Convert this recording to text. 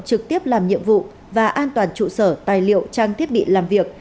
trực tiếp làm nhiệm vụ và an toàn trụ sở tài liệu trang thiết bị làm việc